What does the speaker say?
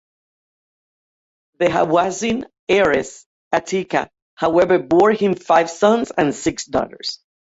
The Hawazin heiress Atikah, however, bore him five sons and six daughters.